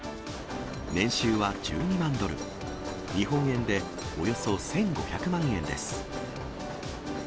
年収は１２万ドル、日本円でおよそ１５００万円です。